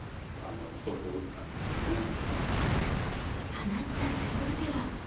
放った勝負手は。